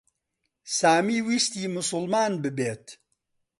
سامی ویستی موسڵمان ببێت.